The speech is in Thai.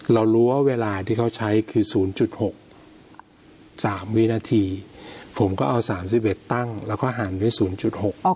เรารู้ว่าเวลาที่เขาใช้คือศูนย์จุดหกสามวินาทีผมก็เอาสามสิบเอ็ดตั้งแล้วก็หารด้วยศูนย์จุดหก